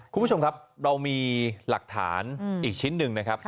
คุณผู้ชมครับเรามีหลักฐานอีกชิ้นหนึ่งนะครับ